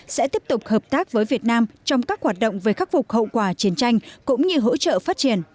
sẽ tiếp tục hợp tác với việt nam trong các hoạt động về khắc phục hậu quả chiến tranh cũng như hỗ trợ phát triển